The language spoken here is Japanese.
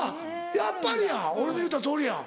やっぱりや俺の言うたとおりや。